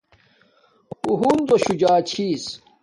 اُو ہنزو شُو جاچھس